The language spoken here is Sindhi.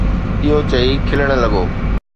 اهو چئي کلڻ لڳو.